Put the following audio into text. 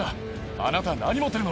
あなた何持ってるの？